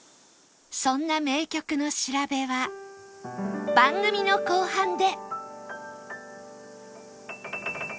そんな名曲の調べは番組の後半で